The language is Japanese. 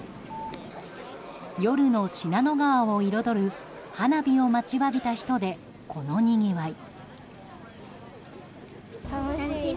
夜の信濃川を彩る花火を待ちわびた人でこのにぎわい。